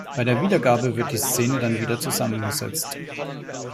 Bei der Wiedergabe wird die Szene dann wieder zusammengesetzt.